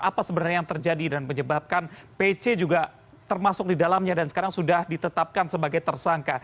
apa sebenarnya yang terjadi dan menyebabkan pc juga termasuk di dalamnya dan sekarang sudah ditetapkan sebagai tersangka